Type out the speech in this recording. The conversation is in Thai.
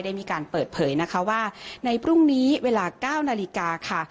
ได้มีการเปิดเผยนะคะว่าในพรุ่งนี้เวลา๙นาฬิกาค่ะ